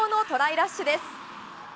ラッシュです！